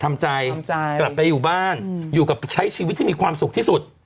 ทำใจทำใจกลับไปอยู่บ้านอยู่กับใช้ชีวิตที่มีความสุขที่สุด